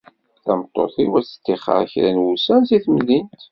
Tameṭṭut-iw ad teṭṭixer kra n wussan seg temdint.